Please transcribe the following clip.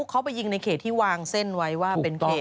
เขาไปยิงในเขตที่วางเส้นไว้ว่าเป็นเขต